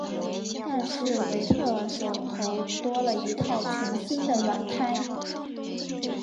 但是维特尔手头多了一套全新的软胎。